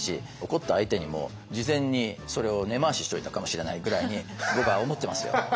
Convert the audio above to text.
怒った相手にも事前にそれを根回ししといたかもしれないぐらいに僕は思ってますよ。